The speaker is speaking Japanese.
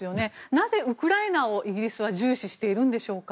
なぜウクライナをイギリスは重視しているんでしょうか？